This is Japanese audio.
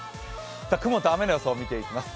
雲と雨の予想を見ていきます。